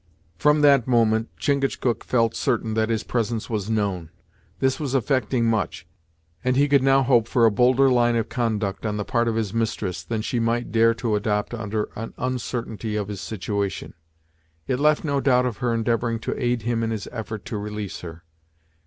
From that moment, Chingachgook felt certain that his presence was known. This was effecting much, and he could now hope for a bolder line of conduct on the part of his mistress than she might dare to adopt under an uncertainty of his situation. It left no doubt of her endeavouring to aid him in his effort to release her.